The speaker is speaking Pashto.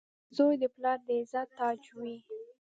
• زوی د پلار د عزت تاج وي.